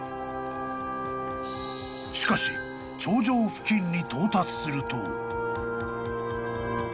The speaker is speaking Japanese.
［しかし頂上付近に到達すると］